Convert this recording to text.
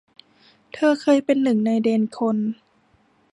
เธอเคยเป็นหนึ่งในเดนคน